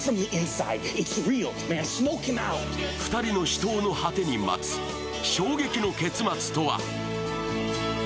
２人の死闘の果てに待つ衝撃の結末とは？